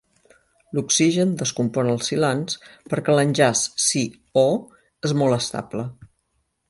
L'oxigen descompon els silans perquè l'enllaç Si—O és molt estable.